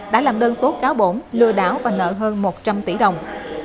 đã làm đơn tố cáo bổn lừa đảo và nợ hơn một trăm linh tỷ đồng